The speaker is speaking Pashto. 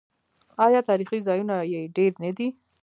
آیا تاریخي ځایونه یې ډیر نه دي؟